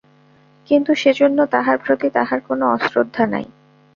কিন্তু সেজন্য তাহার প্রতি তাঁহার কোনো অশ্রদ্ধা নাই।